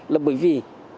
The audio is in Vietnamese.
là bởi vì